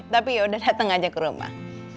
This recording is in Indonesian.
tapi yaudah datang aja ke rumah